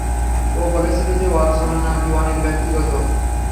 ও বলেছিল যে অর্চনা না কি অনেক ব্যক্তিগত।